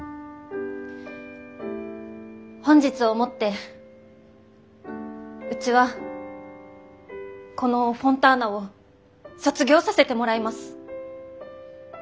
本日をもってうちはこのフォンターナを卒業させてもらいます。